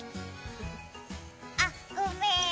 あっ、ごめーん。